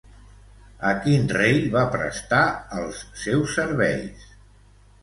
A quin rei va prestar els seus serveis?